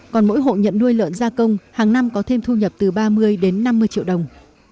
còn mỗi hộ nhận nuôi lợn gia công hàng năm có thêm thu nhập từ ba mươi đến năm mươi triệu đồng